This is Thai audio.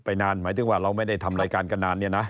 นานหมายถึงว่าเราไม่ได้ทำรายการกันนานเนี่ยนะ